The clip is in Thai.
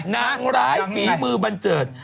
นางร้ายฝีมือบันเจิด